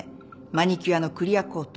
マニキュアのクリアコート。